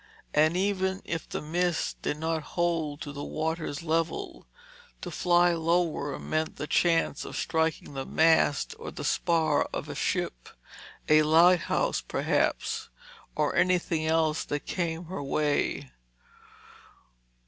And even if the mist did not hold to the water's level, to fly lower meant the chance of striking the mast or spar of a ship, a lighthouse, perhaps, or anything else that came her way.